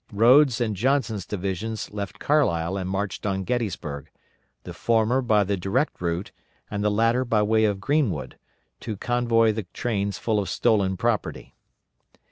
Rodes' and Johnson's divisions left Carlisle and marched on Gettysburg; the former by the direct route, and the latter by way of Greenwood, to convoy the trains full of stolen property.